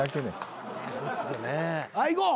はいいこう。